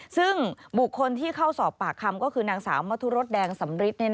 ซึ่งบุคคลที่เข้าสอบปากคำก็คือนางสาวมทุรสแดงสำริท